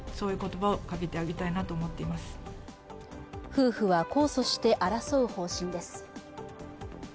夫婦は控訴して争う方針です。